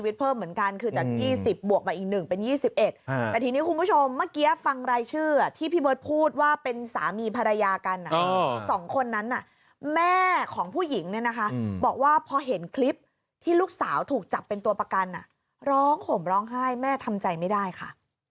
๒๑แต่ทีนี้คุณผู้ชมเมื่อกี้ฟังรายชื่อที่พี่เบิร์ดพูดว่าเป็นสามีภรรยากันสองคนนั้นน่ะแม่ของผู้หญิงเนี่ยนะคะบอกว่าพอเห็นคลิปที่ลูกสาวถูกจับเป็นตัวประกันอ่ะร้องห่มร้องไห้แม่ทำใจไม่ได้ค่ะ